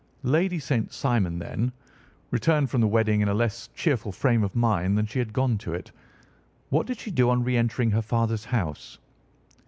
"Lady St. Simon, then, returned from the wedding in a less cheerful frame of mind than she had gone to it. What did she do on re entering her father's house?"